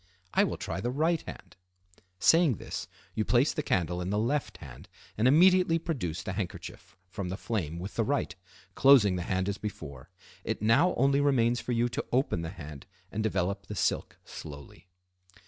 I will try the right hand." Saying this, you place the candle in the left hand and immediately produce the handkerchief from the flame with the right, closing the hand as before. It now only remains for you to open the hand and develop the silk slowly.